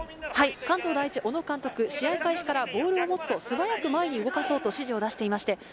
関東第一・小野監督、試合開始からボールを持つと素早く前に動かそうと指示を出していました。